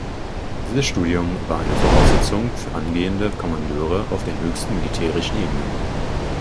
Dieses Studium war eine Voraussetzung für angehende Kommandeure auf den höchsten militärischen Ebenen.